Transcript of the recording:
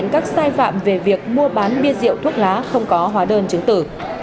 các sai phạm về việc mua bán bia rượu thuốc lá không có hóa đơn chứng tử